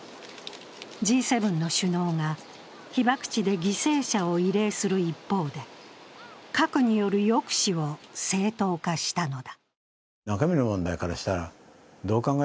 Ｇ７の首脳が被爆地で犠牲者を慰霊する一方で、核による抑止を正当化したのだ。